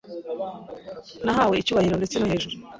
Nahawe icyubahiro ndetse no hejuru